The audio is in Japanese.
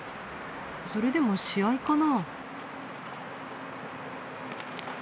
それでも試合かな。